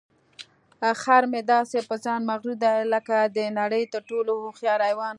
خر مې داسې په ځان مغروره دی لکه د نړۍ تر ټولو هوښیار حیوان.